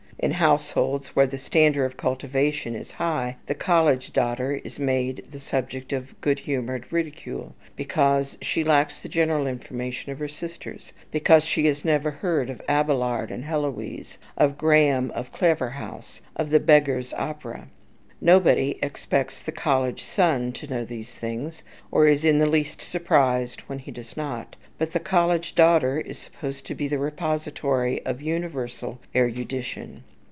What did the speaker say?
In households where the standard of cultivation is high, the college daughter is made the subject of good humoured ridicule, because she lacks the general information of her sisters, because she has never heard of Abelard and Heloise, of Graham of Claverhouse, of "The Beggars' Opera." Nobody expects the college son to know these things, or is in the least surprised when he does not; but the college daughter is supposed to be the repository of universal erudition.